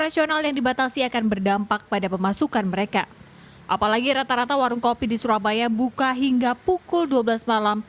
covid di surabaya buka hingga pukul dua belas malam